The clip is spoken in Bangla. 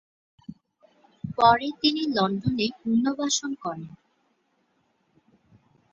পরে তিনি লন্ডনে পুনর্বাসন করেন।